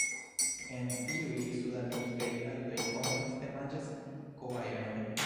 En iuj sudamerikaj landoj oni ofte manĝas kobajojn.